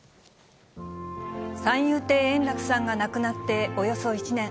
三遊亭円楽さんが亡くなっておよそ１年。